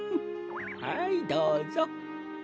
はいどうぞ。